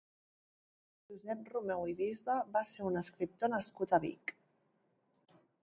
Josep Romeu i Bisbe va ser un escriptor nascut a Vic.